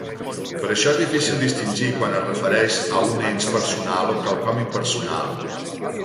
Per això és difícil distingir quan es refereix a un ens personal o quelcom impersonal.